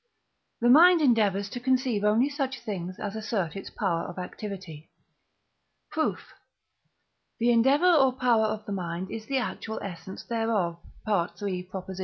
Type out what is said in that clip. The mind endeavours to conceive only such things as assert its power of activity. Proof. The endeavour or power of the mind is the actual essence thereof (III.